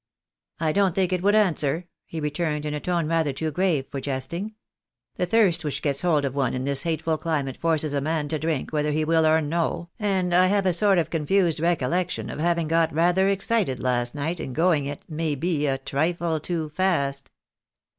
" I don't think it would answer," he returned, in a tone rather too grave for jesting. " The thirst which gets hold of one in this hateful climate forces a man to drink, whether he wiU or no, and I have a sort of confused recollection of having got rather excited last night, and going it, may be, a trifle too fast."